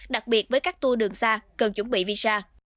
đặc biệt với các tour đường xa cần chuẩn bị visa